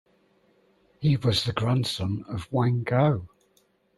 He was a grandson of Wang Go.